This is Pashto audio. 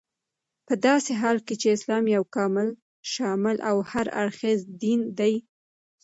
پداسي حال كې چې اسلام يو كامل، شامل او هر اړخيز دين دى